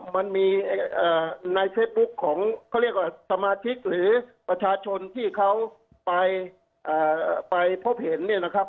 มันมีในเฟซบุ๊คของเขาเรียกว่าสมาชิกหรือประชาชนที่เขาไปพบเห็นเนี่ยนะครับ